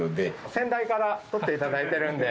先代から取っていただいているんで。